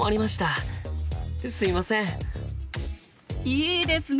いいですね！